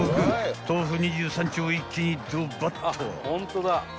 豆腐２３丁一気にドバッと］